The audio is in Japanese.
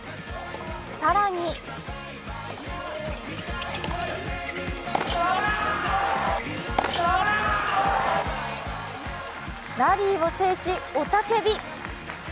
更にラリーを制し、雄たけび。